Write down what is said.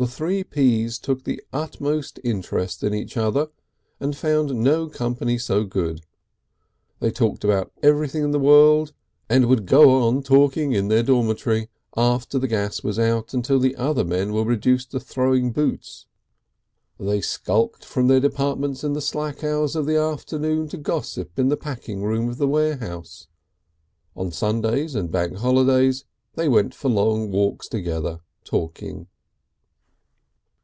The Three Ps took the utmost interest in each other and found no other company so good. They talked about everything in the world, and would go on talking in their dormitory after the gas was out until the other men were reduced to throwing boots; they skulked from their departments in the slack hours of the afternoon to gossip in the packing room of the warehouse; on Sundays and Bank holidays they went for long walks together, talking.